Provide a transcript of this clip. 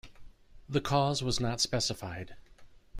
The cause was not specified.